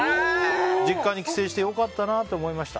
実家に帰省して良かったなと思いました。